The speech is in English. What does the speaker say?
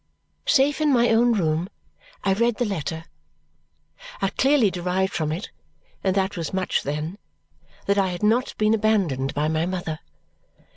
Safe in my own room, I read the letter. I clearly derived from it and that was much then that I had not been abandoned by my mother.